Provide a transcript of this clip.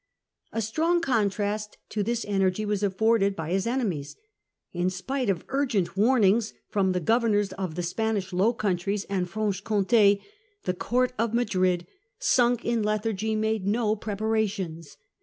* A strong contrast to this energy was afforded by his enemies. In spite of urgent warnings from the governors of the Spanish Low Countries and Franche Comte, the Unreadiness court of Madrid, sunk in lethargy, made no of Spain. preparations.